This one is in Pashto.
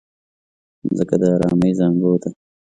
مځکه د ارامۍ زانګو ده.